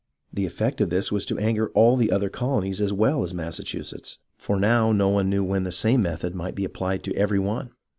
The effect of this was to anger all the other colonies as well as Massachu setts, for now no one knew when the same method might be applied to every one.